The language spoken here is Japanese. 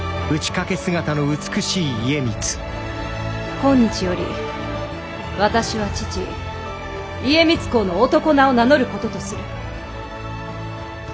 今日より私は父家光公の男名を名乗ることとする。